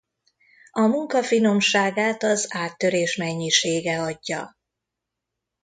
A munka finomságát az áttörés mennyisége adja.